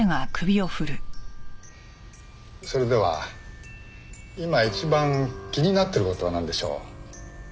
それでは今一番気になってる事はなんでしょう？